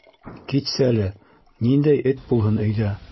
— Китсәле, ниндәй эт булһын өйҙә?